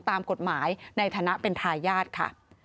ตามกฎหมายในฐานะเป็นทายาทค่ะ